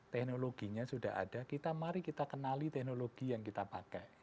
teknologinya sudah ada kita mari kita kenali teknologi yang kita pakai